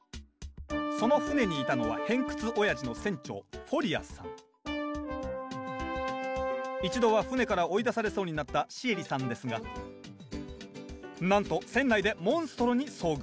その船にいたのは偏屈おやじの一度は船から追い出されそうになったシエリさんですがなんと船内でモンストロに遭遇。